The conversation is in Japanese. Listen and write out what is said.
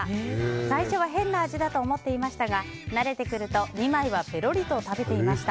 最初は変な味だと思いましたが慣れてくると２枚はぺろりと食べていました。